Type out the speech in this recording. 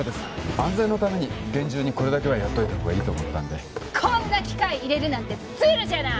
安全のために厳重にこれだけはやっといたほうがいいと思ったんでこんな機械入れるなんてズルじゃない！